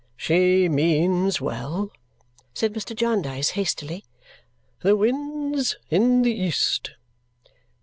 "She means well," said Mr. Jarndyce hastily. "The wind's in the east."